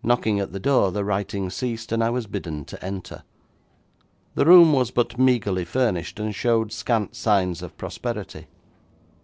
Knocking at the door the writing ceased, and I was bidden to enter. The room was but meagrely furnished, and showed scant signs of prosperity.